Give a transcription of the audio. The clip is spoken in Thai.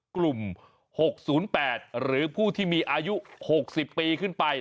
กลุ่ม๖๐๘หรือผู้ที่มีอายุ๖๐ปีขึ้นไป